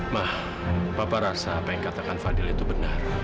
mah papa rasa apa yang katakan fadil itu benar